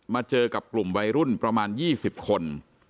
มาเจอกับกลุ่มวัยรุ่นประมาณยี่สิบคน